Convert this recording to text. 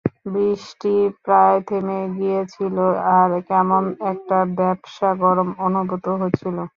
বৃষ্টি প্রায় থেমে গিয়েছিল আর কেমন একটা ভ্যাপসা গরম অনুভূত হচ্ছিল।